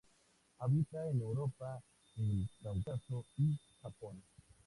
Habita en Europa, el Cáucaso y Japón.